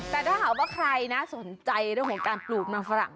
แต่ถ้าหากว่าใครนะสนใจเรื่องของการปลูกมันฝรั่ง